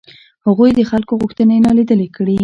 هغوی د خلکو غوښتنې نالیدلې کړې.